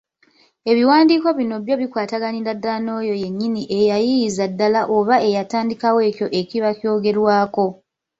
Ebiwandiiko bino byo bikwataganira ddala n’oyo yennyini eyayiiyiza ddala oba eyatandikawo ekyo ekiba kyogerwako.